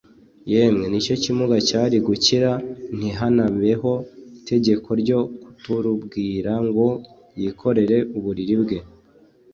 yemwe n'icyo kimuga cyari gukira ntihanabeho itegeko ryo kturuubwira ngo yikorere uburiri bwe.